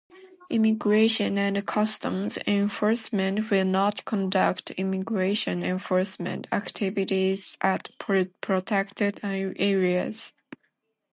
Immigration and Customs Enforcement will not conduct immigration enforcement activities at protected areas.